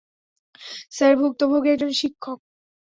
Sir, ভুক্তভোগী একজন শিক্ষক।